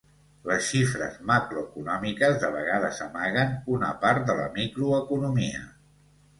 Les xifres macroeconòmiques de vegades amaguen una part de la microeconomia.